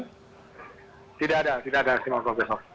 tidak ada tidak ada aksi mogok besok